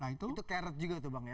itu untuk carrot juga tuh bang ya